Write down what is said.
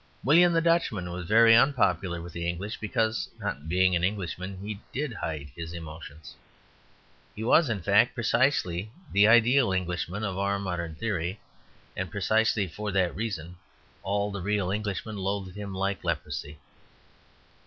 William the Dutchman was very unpopular with the English because, not being an Englishman, he did hide his emotions. He was, in fact, precisely the ideal Englishman of our modern theory; and precisely for that reason all the real Englishmen loathed him like leprosy.